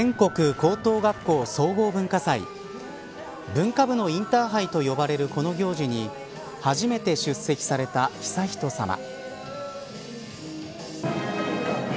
文化部のインターハイと呼ばれるこの行事に初めて出席された悠仁さま。